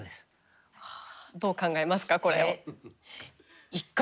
どう考えますかこれを。